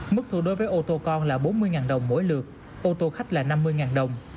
mức thu đối với ô tô con là bốn mươi đồng mỗi lượt ô tô khách là năm mươi đồng